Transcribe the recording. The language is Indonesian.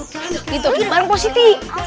gitu bareng positif